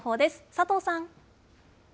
佐藤さん。